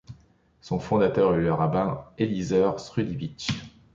Son fondateur est le rabbin Eliezer Sruliewicz.